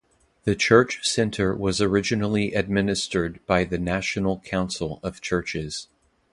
The church center was originally administered by the National Council of Churches.